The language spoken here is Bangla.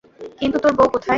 কিন্তু তোর বৌ কোথায়?